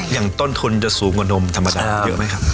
อย่างต้นทุนจะสูงกว่านมธรรมดาเยอะไหมครับ